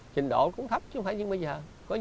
trình độ cũng thấp chứ không phải như bây giờ